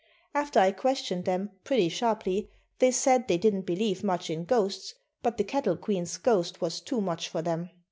After I questioned them pretty sharply, they said they didn't believe much in ghosts, but the Cattle Queen's ghost was too much for them.